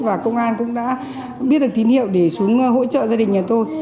và công an cũng đã biết được tín hiệu để xuống hỗ trợ gia đình nhà tôi